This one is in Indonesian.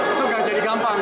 itu gak jadi gampang